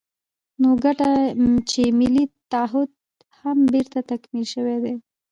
نو وګڼه چې ملي تعهُد هم بېرته تکمیل شوی دی.